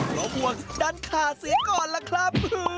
เหลือบวงดันขาเสียก่อนละครับ